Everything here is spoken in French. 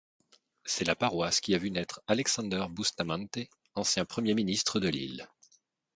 C'est la paroisse qui a vu naître Alexander Bustamante, ancien premier ministre de l'île.